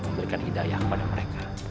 memberikan hidayah kepada mereka